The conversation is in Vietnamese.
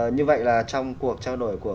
như vậy là trong cuộc trao đổi của